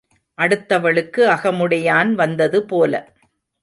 அடுத்தவளுக்கு அகமுடையான் வந்தது போல.